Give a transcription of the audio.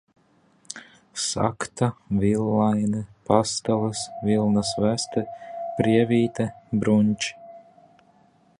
Sakta, villaine, pastalas, vilnas veste, prievīte, brunči.